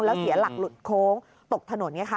แล้วเสียหลักหลุดโค้งตกถนนไงคะ